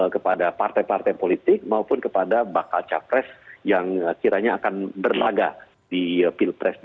kepada partai partai politik maupun kepada bakal cawapres yang kiranya akan berlagak di pilpres dua ribu dua puluh empat